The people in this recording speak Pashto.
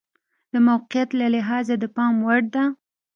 د موقعیت له لحاظه د پام وړ ده.